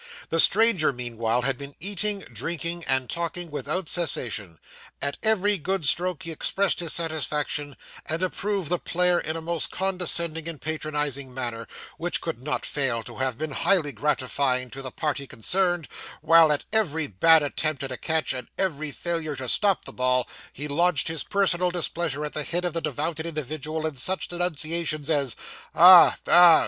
The stranger, meanwhile, had been eating, drinking, and talking, without cessation. At every good stroke he expressed his satisfaction and approval of the player in a most condescending and patronising manner, which could not fail to have been highly gratifying to the party concerned; while at every bad attempt at a catch, and every failure to stop the ball, he launched his personal displeasure at the head of the devoted individual in such denunciations as 'Ah, ah!